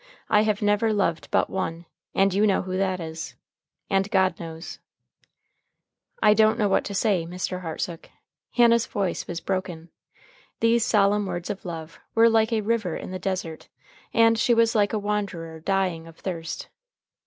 I have never loved but one, and you know who that is. And God knows." "I don't know what to say, Mr. Hartsook." Hannah's voice was broken. These solemn words of love were like a river in the desert, and she was like a wanderer dying of thirst.